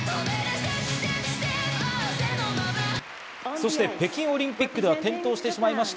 そして北京オリンピックでは転倒してしまいました